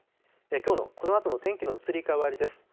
きょうのこのあとの天気の移り変わりです。